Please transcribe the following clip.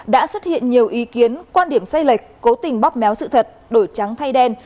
đã xuất hiện nhiều ý kiến quan điểm sai lệch cố tình bóp méo sự thật đổi trắng thay đen